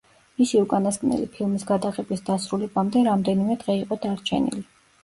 მისი უკანასკნელი ფილმის გადაღების დასრულებამდე რამდენიმე დღე იყო დარჩენილი.